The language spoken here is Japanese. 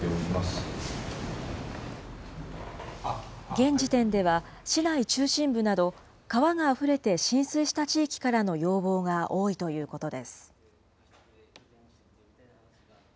現時点では、市内中心部など川があふれて浸水した地域からの要望が多いということです。